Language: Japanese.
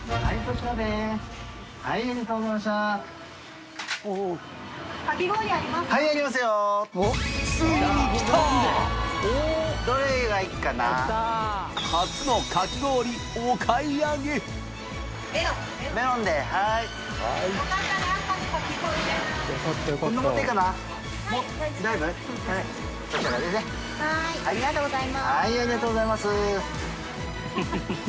兇い泙后ありがとうございます。